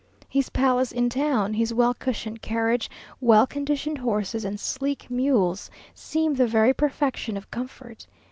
His palace in town, his well cushioned carriage, well conditioned horses, and sleek mules, seem the very perfection of comfort.